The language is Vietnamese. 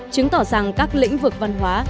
chứng tỏ rằng các lĩnh vực văn hóa